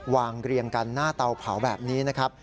เรียงกันหน้าเตาเผาแบบนี้นะครับ